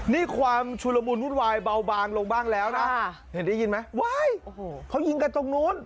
นี่ความชุลมุนวุ่นวายเบาบางลงบ้างแล้วนะเห็นได้ยินไหมว้ายโอ้โหเขายิงกันตรงนู้น